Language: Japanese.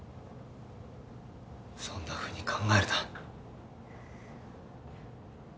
そんな風に考えるな。